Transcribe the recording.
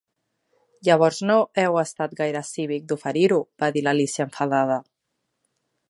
""Llavors no heu estat gaire cívic d'oferir-ho", va dir l'Alícia enfadada."